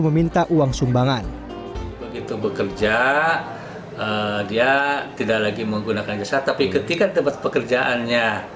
meminta uang sumbangan begitu bekerja dia tidak lagi menggunakan jasa tapi ketika tempat pekerjaannya